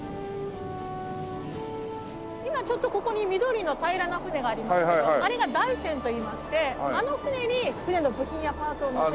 今ちょっとここに緑の平らな船がありますけどあれが台船といいましてあの船に船の部品やパーツを載せて。